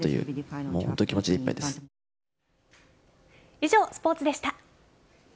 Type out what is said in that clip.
以上、スポーツでした。